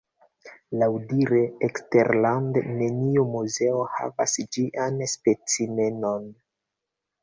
Laŭdire, eksterlande neniu muzeo havas ĝian specimenon.